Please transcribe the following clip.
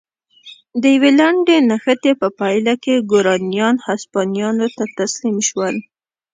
د یوې لنډې نښتې په پایله کې ګورانیان هسپانویانو ته تسلیم شول.